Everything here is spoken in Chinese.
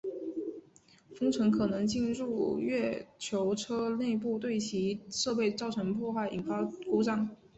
月尘可能进入月球车内部并对其设备造成破坏引发故障。